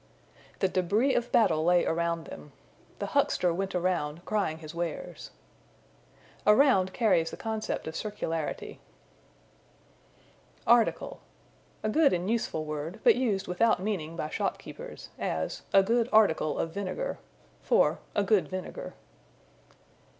"The débris of battle lay around them." "The huckster went around, crying his wares." Around carries the concept of circularity. Article. A good and useful word, but used without meaning by shopkeepers; as, "A good article of vinegar," for a good vinegar.